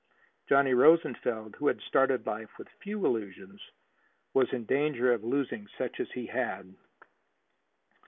Johnny Rosenfeld, who had started life with few illusions, was in danger of losing such as he had.